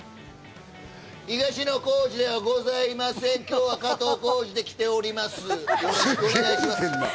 東野幸治ではございません、今日は加藤浩次で来ております。